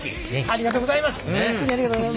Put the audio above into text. ありがとうございます。